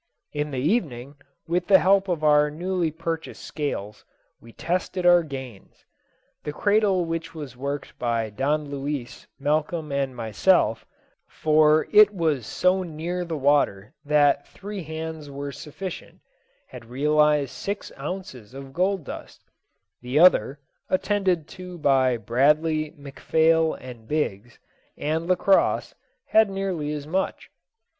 In the evening, with the help of our newly purchased scales, we tested our gains. The cradle which was worked by Don Luis, Malcolm, and myself, for it was so near the water that three hands were sufficient, had realised six ounces of gold dust; the other, attended to by Bradley, McPhail, Biggs, and Lacosse, had nearly as much.